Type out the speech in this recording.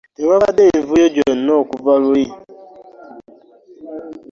Tewabadde mivuyo gyonna okuva luli.